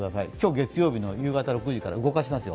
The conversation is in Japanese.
月曜日の夕方６時から動かしますよ。